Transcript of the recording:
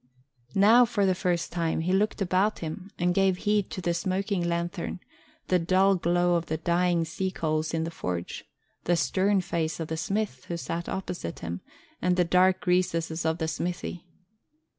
Now, for the first time, he looked about him and gave heed to the smoking lanthorn, the dull glow of the dying sea coals in the forge, the stern face of the smith who sat opposite him, and the dark recesses of the smithy.